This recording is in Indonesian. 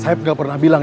saib gak pernah bilang